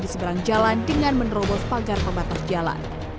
di seberang jalan dengan menerobos pagar pembatas jalan